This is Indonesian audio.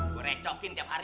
gua recokin tiap hari